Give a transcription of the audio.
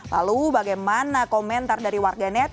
lalu bagaimana komentar dari warga net